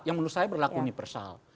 yang menurut saya berlaku universal